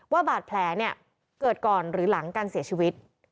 ว่าบาดแผลเนี่ยเกิดก่อนหรือหลังการเสียชีวิต